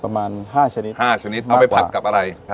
ประมาณ๕ชนิดมากกว่า๕ชนิดเอาไปผัดกับอะไรครับ